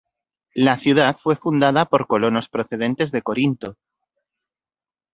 La ciudad fue fundada por colonos procedentes de Corinto.